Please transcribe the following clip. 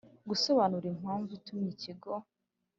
gusobanura impamvu itumye Ikigo